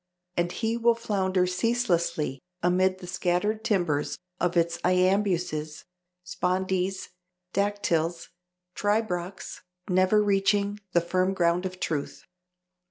And he will flounder ceaselessly amid the scattered timbers of its iambuses, spondees, dactyls, tribrachs, never reaching the firm ground of truth."